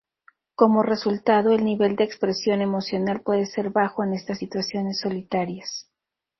Como resultado, el nivel de expresión emocional puede ser bajo en estas situaciones solitarias.